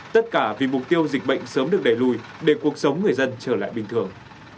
tất cả vì mục tiêu dịch bệnh sớm được đẩy lùi để cuộc sống người dân trở lại bình thường